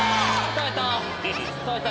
耐えた。